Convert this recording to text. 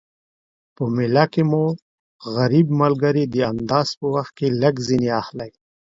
په میله کی مو غریب ملګري د انداز په وخت کي لږ ځیني اخلٸ